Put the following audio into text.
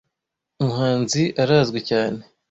muhanzi arazwi cyane.